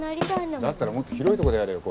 だったらもっと広いとこでやれよ